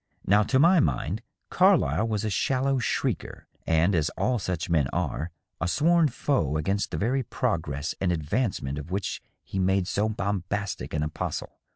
Now, to my mind, Carlyle was a shallow shrieker, and, as all such men are, a sworn foe against the very progress and advancement of which he made so bombastic an apostle.